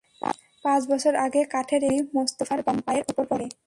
পাঁচ বছর আগে কাঠের একটি গুঁড়ি মোস্তফার বাম পায়ের ওপর পড়ে।